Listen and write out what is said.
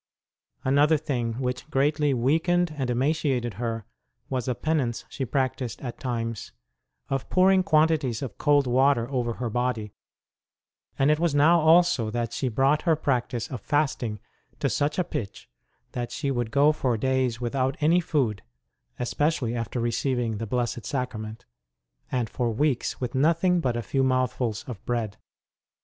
Another thing which greatly weakened and emaciated her was a penance she practised at times of pouring quantities of cold water over her body; and it was now also that she brought her practice of fasting to such a pitch that she would go for days without any food especially after receiving the Blessed Sacra ment and for weeks with nothing but a few mouthfuls of bread.